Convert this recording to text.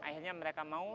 akhirnya mereka mau